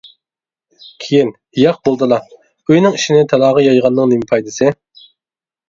كېيىن. ياق بولدىلا، ئۆينىڭ ئىشىنى تالاغا يايغاننىڭ نېمە پايدىسى. ؟!